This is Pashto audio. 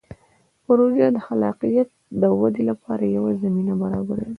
پروژه د خلاقیت د ودې لپاره یوه زمینه برابروي.